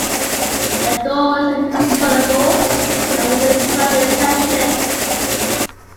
Adornments are usually colourful, and worn to attract attention.